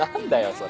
それ。